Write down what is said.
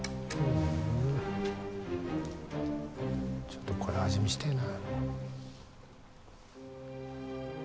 ちょっとこれ味見してな。